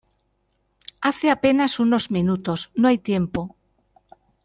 hace apenas unos minutos. no hay tiempo .